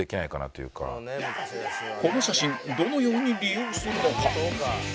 この写真どのように利用するのか？